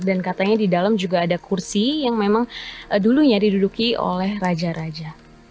dan katanya di dalam juga ada kursi yang memang dulunya diduduki oleh raja raja